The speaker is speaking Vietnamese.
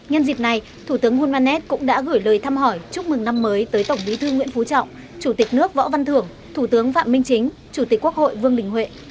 nhân dịp này thủ tướng hulmanet cũng đã gửi lời thăm hỏi chúc mừng năm mới tới tổng bí thư nguyễn phú trọng chủ tịch nước võ văn thưởng thủ tướng phạm minh chính chủ tịch quốc hội vương đình huệ